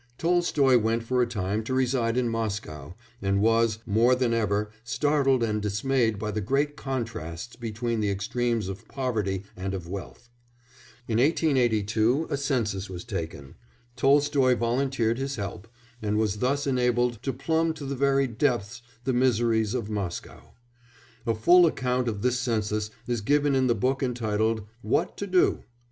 Tolstoy went for a time to reside in Moscow, and was, more than ever, startled and dismayed by the great contrasts between the extremes of poverty and of wealth. In 1882 a census was taken; Tolstoy volunteered his help, and was thus enabled to plumb to the very depths the miseries of Moscow. A full account of this census is given in the book entitled _What to Do?